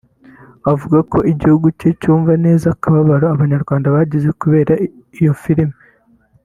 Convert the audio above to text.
avuga ko igihugu cye cyumva neza akababaro Abanyarwanda bagize kubera iyo filimi